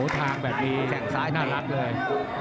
ทางแบบนี้น่ารักเลย